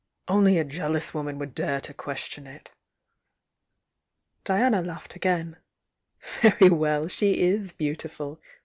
"Only a jeal ous woman would dare to question it!" Diana laughed again. "Very well, she is beautiful!